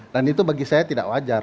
dan itu bagi saya tidak wajar